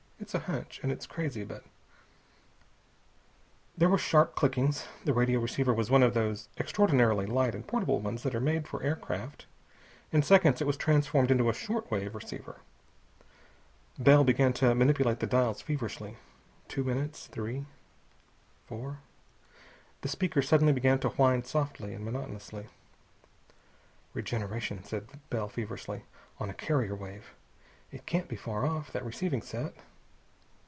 It's a hunch, and it's crazy, but...." There were sharp clickings. The radio receiver was one of those extraordinarily light and portable ones that are made for aircraft. In seconds it was transformed into a short wave receiver. Bell began to manipulate the dials feverishly. Two minutes. Three. Four. The speaker suddenly began to whine softly and monotonously. "Regeneration," said Bell feverishly, "on a carrier wave. It can't be far off, that receiving set."